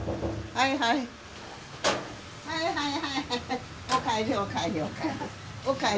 はいはいはいはい。